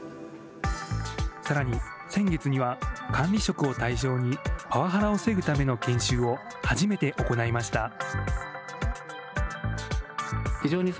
さらに、先月には、管理職を対象に、パワハラを防ぐための研修を初めて行いました。